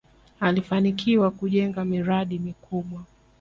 alifanikiwa kujenga miradi mikubwa